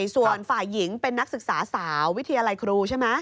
ส่วนฝ่ายหญิงเป็นนักศึกษาสาววิทยาลัยครูใช่ไหม